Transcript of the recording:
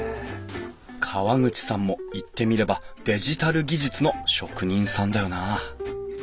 河口さんも言ってみればデジタル技術の職人さんだよな。